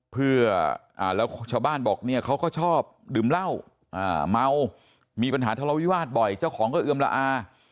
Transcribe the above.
เพื่อแล้วชาวบ้านบอกเนี่ยเขาก็ชอบดื่มเหล้าเมามีปัญหาทะเลาวิวาสบ่อยเจ้าของก็เอือมละอา